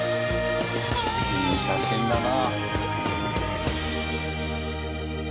いい写真だな。